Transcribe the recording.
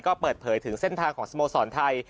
ก็เปิดเผยถึงเส้นทางของสโมสรไทย